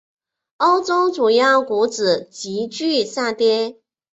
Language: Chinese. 欧洲主要股指急剧下跌。